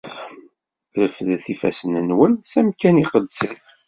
Refdet ifassen-nwen s amkan iqedsen.